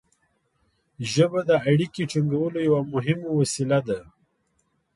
ژبه د اړیکې ټینګولو یوه مهمه وسیله ده.